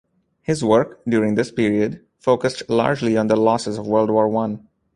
His work during this period focused largely on the losses of World War One.